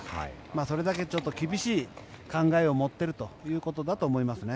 それだけ厳しい考えを持っているということだと思いますね。